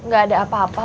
gak ada apa apa